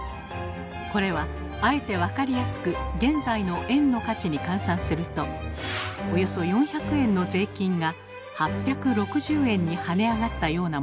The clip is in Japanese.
これはあえて分かりやすく現在の円の価値に換算するとおよそ４００円の税金が８６０円に跳ね上がったようなものです。